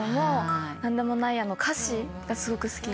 『なんでもないや』の歌詞がすごく好きで。